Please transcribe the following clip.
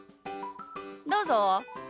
どうぞ。